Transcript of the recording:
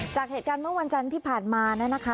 จากเหตุการณ์เมื่อวันจันทร์ที่ผ่านมานะคะ